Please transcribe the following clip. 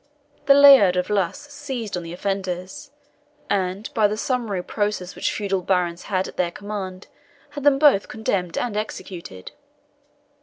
The Laird of Luss seized on the offenders, and, by the summary process which feudal barons had at their command, had them both condemned and executed.